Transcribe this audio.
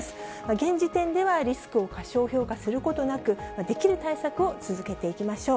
現時点ではリスクを過小評価することなく、できる対策を続けていきましょう。